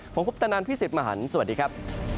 ผมคุปตะนันพี่สิทธิ์มหันฯสวัสดีครับ